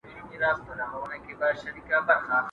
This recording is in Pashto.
واعظه! وايه څۀ دې کړل د شپې پۀ مېخانه کښې